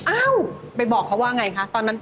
อ้าวไปบอกเขาว่าไงคะตอนนั้น